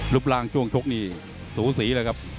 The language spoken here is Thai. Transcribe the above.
รูปร่างช่วงชกนี่สูสีเลยครับ